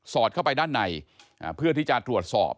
เข้าไปด้านในเพื่อที่จะตรวจสอบ